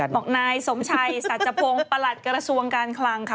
บอกนายสมชัยสัจพงศ์ประหลัดกระทรวงการคลังค่ะ